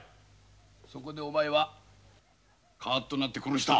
そこでお前はカーッとなって殺した。